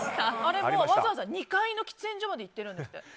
わざわざ２階の喫煙所まで行ってるんですって。